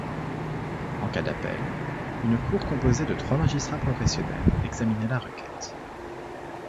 En cas d'appel, une cour composée de trois magistrats professionnels examinait la requête.